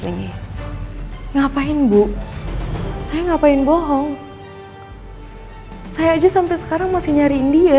hei ngapain bu saya ngapain bohong hai saya aja sampai sekarang masih nyariin dia